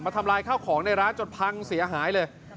ทำลายข้าวของในร้านจนพังเสียหายเลย